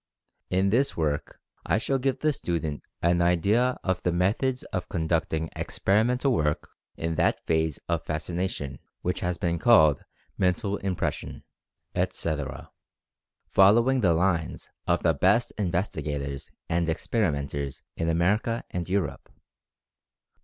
In this work I shall give the student an idea of the methods of conducting experimental work in that phase of Fascination which has been called "Mental Impression," etc., following the lines of the best in vestigators and experimenters in America and Europe.